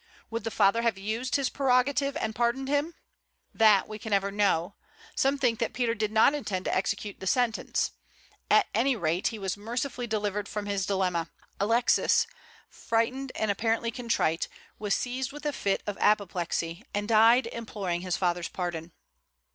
Would the father have used his prerogative and pardoned him? That we can never know. Some think that Peter did not intend to execute the sentence. At any rate, he was mercifully delivered from his dilemma. Alexis, frightened and apparently contrite, was seized with a fit of apoplexy, and died imploring his father's pardon.